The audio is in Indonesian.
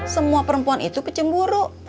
semua perempuan itu pecemburu